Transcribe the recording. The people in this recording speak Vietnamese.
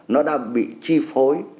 nó đã bị chi phối